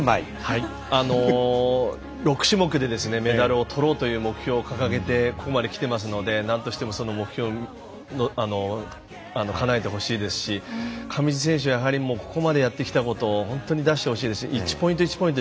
６種目でメダルを取ろうという目標を掲げてここまで来ていますので何としてもその目標かなえてほしいですし上地選手はやはりここまでやってきたことを本当に出してほしいですし１ポイント１ポイント